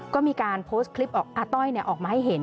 ก็มีการโพสต์คลิปอาต้อยออกมาให้เห็น